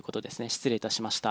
失礼いたしました。